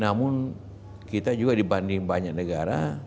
namun kita juga dibanding banyak negara